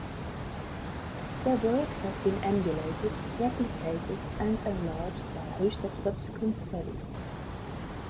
Their work has been emulated, replicated, and enlarged by a host of subsequent studies.